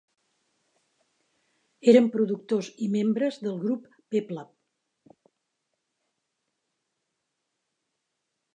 Eren productors i membres del grup Peplab.